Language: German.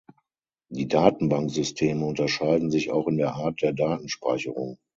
Die Datenbanksysteme unterscheiden sich auch in der Art der Datenspeicherung.